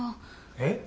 えっ？